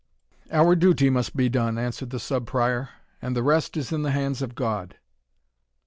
"Our duty must be done," answered the Sub Prior, "and the rest is in the hands of God."